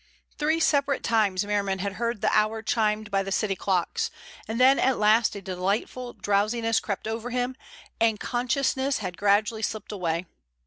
Three separate times Merriman had heard the hour chimed by the city clocks, and then at last a delightful drowsiness crept over him, and consciousness had gradually slipped away.